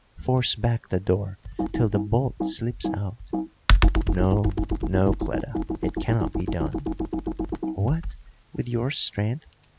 Force back the door till the bolt slips out." "No, no, Cleta, it cannot be done." "What, with your strength!